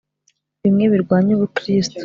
bimwe birwanya ubukristu